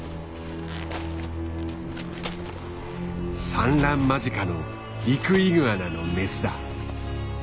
産卵間近のリクイグアナのメスだ。